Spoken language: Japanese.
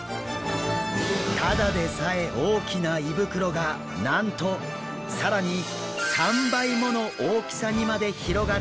ただでさえ大きな胃袋がなんと更に３倍もの大きさにまで広がるんです。